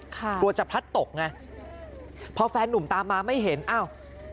กลัวจะพลัดตกไงพอแฟนนุ่มตามมาไม่เห็นอ้าว